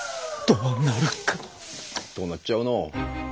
どうなっちゃうの？